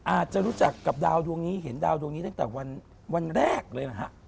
อาจจะรู้จักกับดาวดวงนี้เห็นดาวดวงนี้ตั้งแต่วันแรกเลยนะฮะ